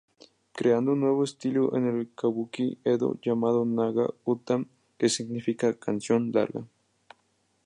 Creando un nuevo estilo en el Kabuki Edo llamado Naga-uta, que significaba canción larga.